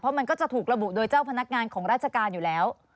มันก็จะถูกระบุโดยเจ้าพนักงานของราชการอยู่แล้ว